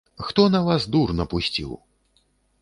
Хто на вас дур напусціў?